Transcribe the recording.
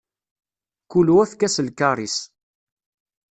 Kul wa efk-as lkaṛ-is.